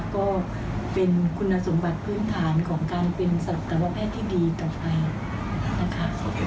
ก็เป็นคุณสมบัติพื้นฐานของการเป็นสัตวแพทย์ที่ดีต่อไปนะคะ